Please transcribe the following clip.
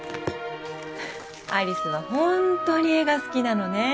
有栖はホントに絵が好きなのね